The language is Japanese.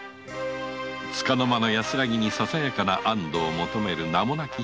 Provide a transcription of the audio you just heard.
つかの間の安らぎにささやかな安どを求める名もなき人々のために。